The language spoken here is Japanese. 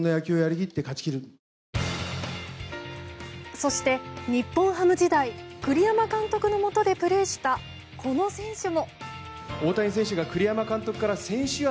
そして、日本ハム時代栗山監督のもとでプレーしたこの選手も。